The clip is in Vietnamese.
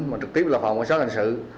mà trực tiếp là phòng xã hành sự